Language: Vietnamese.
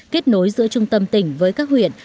kết nối giữa trung tâm tỉnh với các huyện